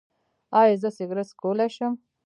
ایا زه سګرټ څکولی شم؟